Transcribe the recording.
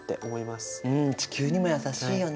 うん地球にも優しいよね。